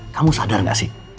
kamu sadar gak sih